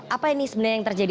apa ini sebenarnya yang terjadi